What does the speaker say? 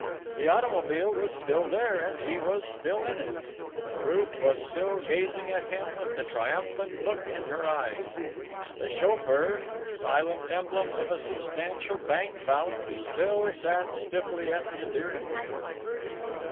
The automobile was still there, and he was still in it. Ruth was still gazing at him with the triumphant look in her eyes. The chauffeur, silent emblem of a substantial bank balance, still sat stiffly at the steering wheel.